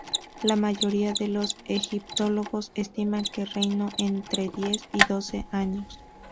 La mayoría de los egiptólogos estiman que reinó entre diez y doce años.